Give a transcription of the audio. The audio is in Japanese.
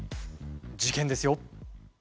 事件ですよ。